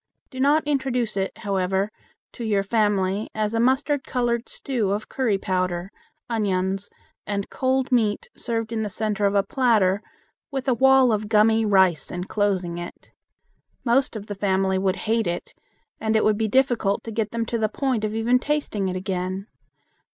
Do not introduce it, however, to your family as a mustard colored stew of curry powder, onions, and cold meat served in the center of a platter with a wall of gummy rice enclosing it. Most of the family would hate it, and it would be difficult to get them to the point of even tasting it again.